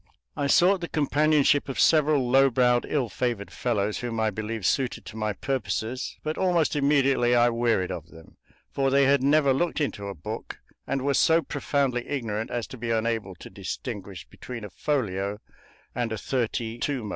I sought the companionship of several low browed, ill favored fellows whom I believed suited to my purposes, but almost immediately I wearied of them, for they had never looked into a book and were so profoundly ignorant as to be unable to distinguish between a folio and a thirty twomo.